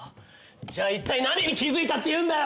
じゃあいったい何に気づいたっていうんだよ！！